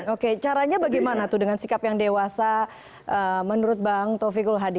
oke caranya bagaimana tuh dengan sikap yang dewasa menurut bang taufikul hadi